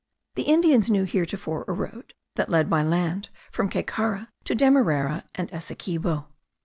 The Indians knew heretofore a road, that led by land from Caycara to Demerara and Essequibo.